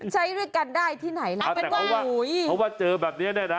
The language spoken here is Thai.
ใช้ด้วยกันได้ที่ไหนละแต่เอาว่าเจอแบบนี้แน่นะ